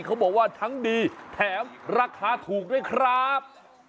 เขาบอกว่าทั้งดีแถมราคาถูกด้วยครับ